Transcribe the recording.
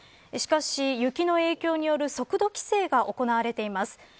しかし、雪の影響による速度規制が行われています。